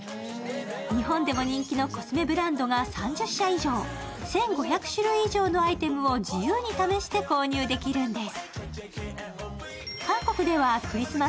日本でも人気のコスメブランドが３０社以上、１５００種類以上のアイテムを自由に試して購入できるんです。